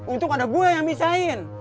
untung ada gue yang bisain